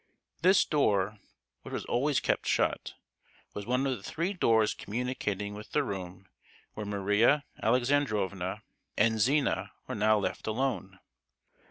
This door, which was always kept shut, was one of the three doors communicating with the room where Maria Alexandrovna and Zina were now left alone.